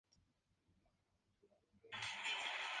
Ella se encuentra profundamente enamorada de Tenchi.